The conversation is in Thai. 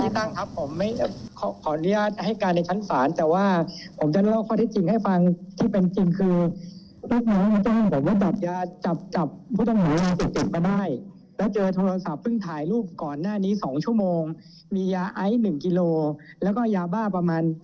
แล้วก็ยาวบ้าประมาณเกือบสองหมื่นเมตร